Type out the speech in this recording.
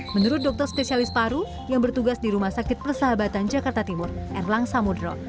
menurut dokter spesialis paru yang bertugas di rumah sakit persahabatan jakarta timur erlang samudro